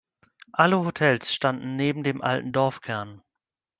Alle Hotels standen neben dem alten Dorfkern.